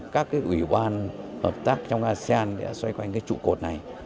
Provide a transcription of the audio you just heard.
các ủy ban hợp tác trong asean đã xoay quanh trụ cột này